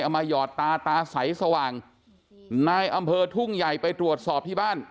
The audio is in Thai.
มาหยอดตาตาใสสว่างนายอำเภอทุ่งใหญ่ไปตรวจสอบที่บ้าน